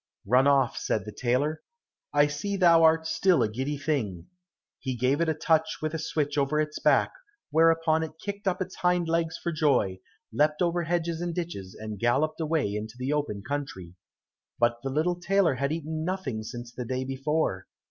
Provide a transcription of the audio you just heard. "Run off," said the tailor, "I see thou art still a giddy thing." He gave it a touch with a switch over its back, whereupon it kicked up its hind legs for joy, leapt over hedges and ditches, and galloped away into the open country. But the little tailor had eaten nothing since the day before.